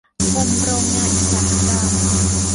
กรมโรงงานอุตสาหกรรม